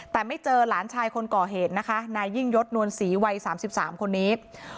แต่ไม่เจอหลานชายคนก่อเหตุนะคะนายยิ่งยศนวลศรีวัย๓๓คนนี้